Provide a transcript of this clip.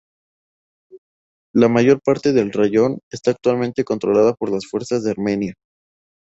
La mayor parte del rayón esta actualmente controlada por las fuerzas de Armenia.